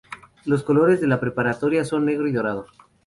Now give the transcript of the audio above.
Los colores de la preparatoria son Negro y Dorado.